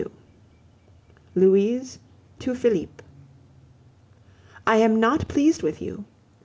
XXII. LOUISE TO FELIPE I am not pleased with you.